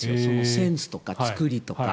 センスとか作りとか。